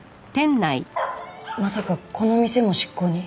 まさかこの店も執行に？